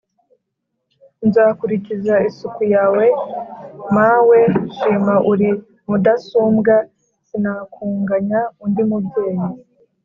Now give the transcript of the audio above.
Nzakurikiza isuku yaweMawe nshima uri MudasumbwaSinakunganya undi mubyeyi